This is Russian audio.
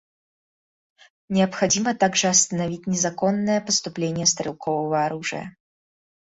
Необходимо также остановить незаконное поступление стрелкового оружия.